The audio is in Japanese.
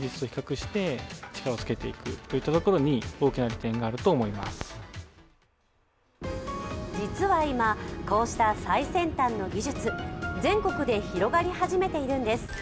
先生も実は今、こうした最先端の技術、全国で広がり始めているんです。